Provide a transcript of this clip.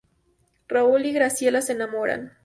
Raúl y Graciela se enamoran.